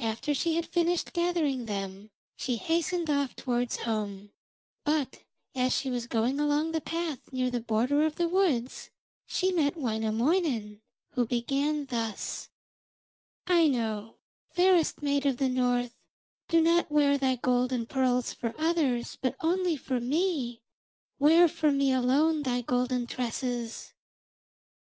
After she had finished gathering them she hastened off towards home, but as she was going along the path near the border of the woods she met Wainamoinen, who began thus: 'Aino, fairest maid of the north, do not wear thy gold and pearls for others, but only for me; wear for me alone thy golden tresses.'